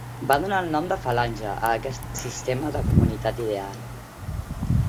Va donar el nom de "falange" a aquest sistema de comunitat ideal.